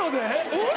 えっ？